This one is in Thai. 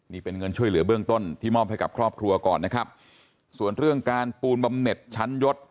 นี่เป็นเงินช่วยเหลือเบื้องต้นที่มอบให้กับครอบครัวก่อนนะครับส่วนเรื่องการปูนบำเน็ตชั้นยศ